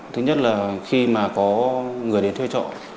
thứ nhất là khi mà có người đến thuê trọ